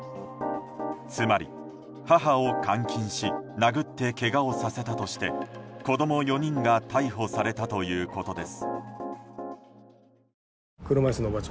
つまり、母を監禁し殴ってけがをさせたとして子供４人が逮捕されたということです。